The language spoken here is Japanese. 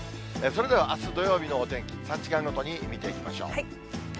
それではあす土曜日のお天気、３時間ごとに見ていきましょう。